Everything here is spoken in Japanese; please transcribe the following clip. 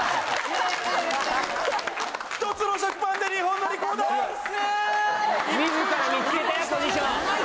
１つの食パンで２本のリコーダー！